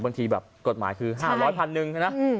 บางทีแบบกฎหมายคือ๕๐๐พันหนึ่งใช่ไหม